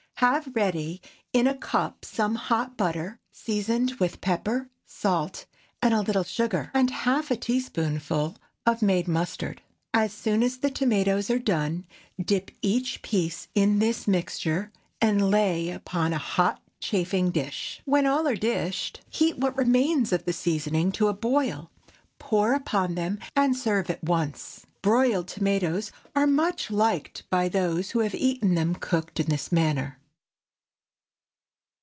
Have ready in a cup some hot butter, seasoned with pepper, salt, a little sugar, and a half a teaspoonful of made mustard. As soon as the tomatoes are done, dip each piece in this mixture and lay upon a hot chafing dish. When all are dished, heat what remains of the seasoning to a boil, pour upon them, and serve at once. Broiled tomatoes are much liked by those who have eaten them cooked in this manner.